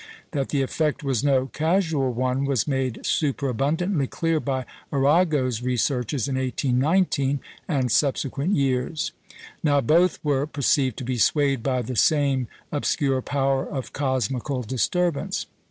That the effect was no casual one was made superabundantly clear by Arago's researches in 1819 and subsequent years. Now both were perceived to be swayed by the same obscure power of cosmical disturbance.